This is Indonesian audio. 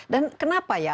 dan kenapa ya